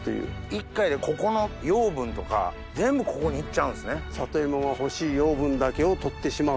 一回でここの養分とか全部ここにいっちゃうんですね。